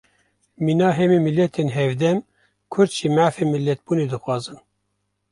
Mîna hemî miletên hevdem, Kurd jî mafê milletbûnê dixwazin